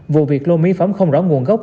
vụ việc lô mi phẩm không rõ nguồn gốc